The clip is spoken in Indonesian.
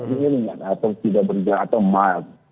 ini ringan atau tidak bergerak atau mild